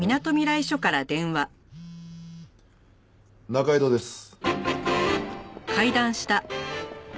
仲井戸です。